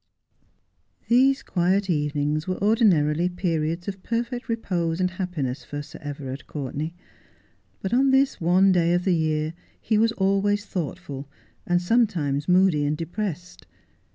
'these quiet evenings were ordinarily periods of perfect repose and happiness for Sir Everard Coui tenay, but on this one day of the year he was always thoughtful, and sometimes moody and depressed.